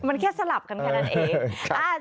มันแค่สลับกันแค่นั้นเอง